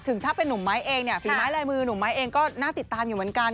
ถ้าเป็นนุ่มไม้เองเนี่ยฝีไม้ลายมือหนุ่มไม้เองก็น่าติดตามอยู่เหมือนกัน